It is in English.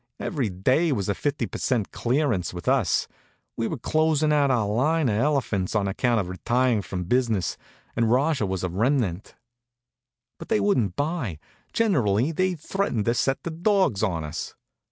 Every day was a fifty per cent. clearance with us. We were closing out our line of elephants on account of retiring from business, and Rajah was a remnant. But they wouldn't buy. Generally they threatened to set the dogs on us.